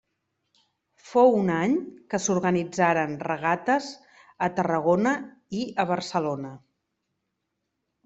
Fou un any que s'organitzaren regates a Tarragona i a Barcelona.